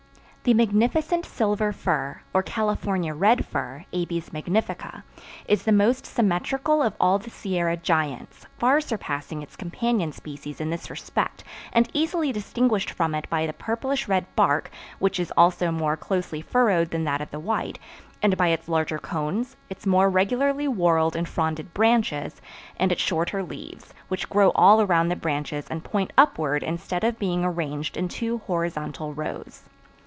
The magnificent Silver Fir, or California Red Fir (Abies magnifica) is the most symmetrical of all the Sierra giants, far surpassing its companion species in this respect and easily distinguished from it by the purplish red bark, which is also more closely furrowed than that of the white, and by its larger cones, its more regularly whorled and fronded branches, and its shorter leaves, which grow all around the branches and point upward instead of being arranged in two horizontal rows.